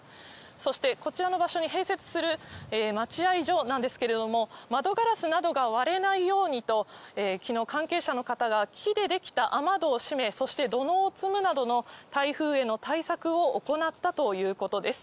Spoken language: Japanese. そしてこちらの場所に併設する待合所なんですけれども、窓ガラスなどが割れないようにと、きのう、関係者の方が木で出来た雨戸を閉め、そして土のうを積むなどの、台風への対策を行ったということです。